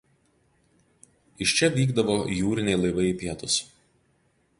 Iš čia vykdavo jūriniai laivai į pietus.